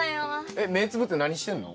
えっ目つぶって何してんの？